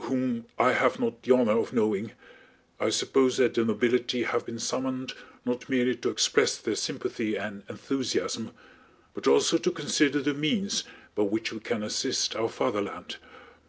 whom I have not the honor of knowing, I suppose that the nobility have been summoned not merely to express their sympathy and enthusiasm but also to consider the means by which we can assist our Fatherland!